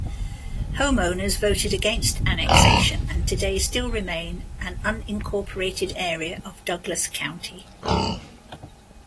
Homeowners voted against annexation and today still remain an unincorporated area of Douglas County.